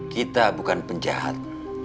kita bukan penjahat